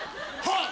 はい！